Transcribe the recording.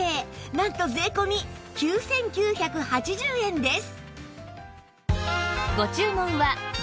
なんと税込９９８０円です！